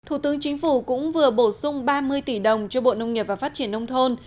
thủ tướng chính phủ cũng vừa bổ sung ba mươi tỷ đồng cho bộ nông nghiệp và phát triển nông thôn